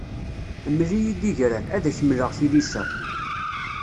Mmel-iyi-d igran, ad ak-mmleɣ tilisa.